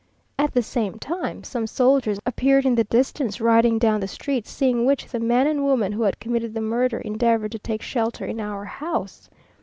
At the same time, some soldiers appeared in the distance, riding down the street; seeing which, the man and woman who had committed the murder, endeavoured to take shelter in our house.